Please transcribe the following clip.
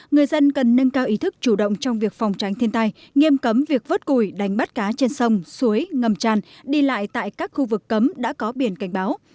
người dân cần nâng cao ý thức chủ động trong việc phòng tránh thiên tai nghiêm cấm việc vớt cùi đánh bắt cá trên sông suối ngầm tràn đi lại tại các khu vực cấm đã có biển cảnh báo